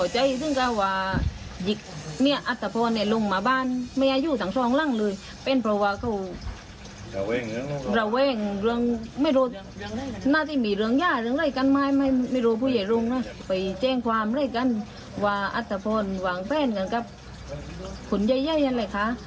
เจ้งความด้วยกันว่าอธพรหว่างเพศกับขุนเยอะแยะเลยค่ะ